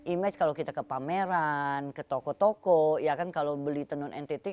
image kalau kita ke pameran ke toko toko ya kan kalau beli tenun ntt